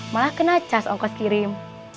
malah kena cas ongkos kirim